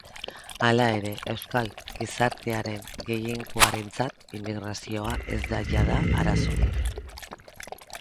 Hala ere, euskal gizartearen gehiengoarentzat immigrazioa ez da jada arazo.